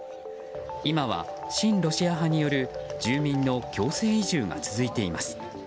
今は親ロシア派による住民の強制移住が続いています。